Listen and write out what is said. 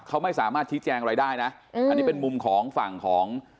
เขาไม่สามารถชี้แจงอะไรได้นะอันนี้เป็นมุมของฝั่งของ